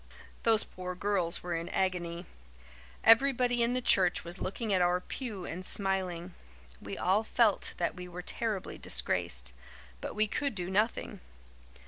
Those poor girls were in an agony. Everybody in the church was looking at our pew and smiling. We all felt that we were terribly disgraced; but we could do nothing.